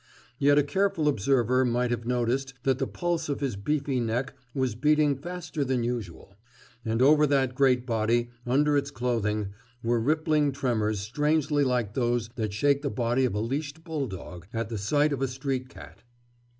Yet a careful observer might have noticed that the pulse of his beefy neck was beating faster than usual. And over that great body, under its clothing, were rippling tremors strangely like those that shake the body of a leashed bulldog at the sight of a street cat.